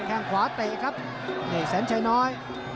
แค่งขวาเตะครับนี่แสนชัยน้อย